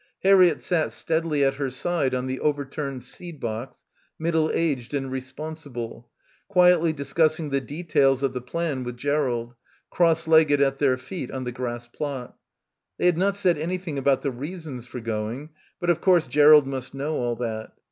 Harriett sat steadily at her side on the overturned seed box, middle aged and responsible, quietly discussing the details of the plan with Gerald, cross legged at their feet on the grass plot. They had not said anything about the reasons for going; but of course Gerald must know all that.